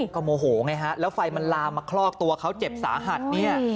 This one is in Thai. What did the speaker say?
ก็โมโหไงฮะแล้วไฟมันลามมาคลอกตัวเขาเจ็บสาหัสเนี่ย